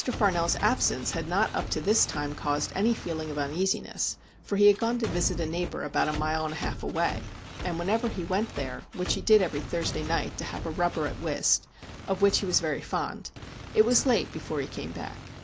Farnell's absence had not up to this time caused any feeling of un easiness, for he had gone to visit a neighbour about a mile and a half away, and whenever he went there, which he did every Thursday night to have a rubber at whist, of which he was very fond, it was late before he came back.